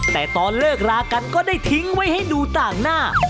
แต่ตอนเลิกรากันก็ได้ทิ้งไว้ให้ดูต่างหน้า